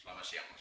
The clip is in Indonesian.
selamat siang mas